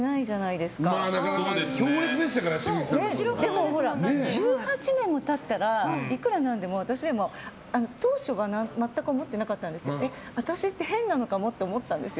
でも、１８年も経ったらいくらなんでも当初は全く思ってなかったんですけど私って変なのかもって思ったんですよ。